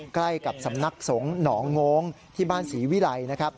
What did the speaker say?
ใกล้กับสำนักสงฆ์หนองงที่บ้านศรีวิไร